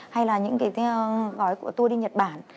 hay là những cái gói của tôi đi nhật bản